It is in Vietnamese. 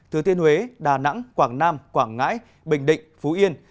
từ tiên huế đà nẵng quảng nam quảng ngãi bình định phú yên